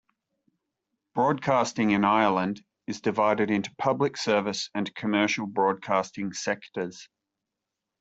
Broadcasting in Ireland is divided into public service and commercial broadcasting sectors.